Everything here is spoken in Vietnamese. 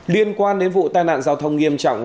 liên quan đến vụ tai nạn giao thông nghiêm trọng